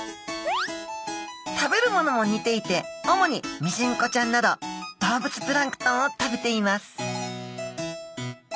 食べるものも似ていて主にミジンコちゃんなど動物プランクトンを食べています